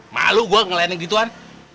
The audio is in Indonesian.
malu gua ngelain yang gitu kan